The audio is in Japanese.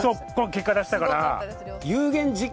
結果出したから。